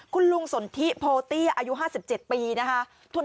คุณลุงสนทิโพเตี้ยอายุ๕๗ปีนะคะ